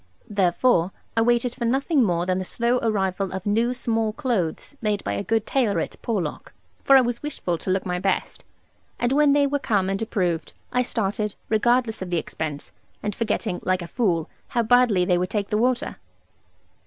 Therefore I waited for nothing more than the slow arrival of new small clothes made by a good tailor at Porlock, for I was wishful to look my best; and when they were come and approved, I started, regardless of the expense, and forgetting (like a fool) how badly they would take the water.